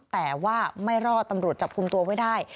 แต่ว่าไม่รอดตำรวจจับคุมตัวไว้ได้